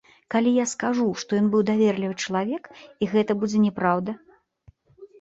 Калі я скажу, што ён быў даверлівы чалавек, і гэта будзе няпраўда.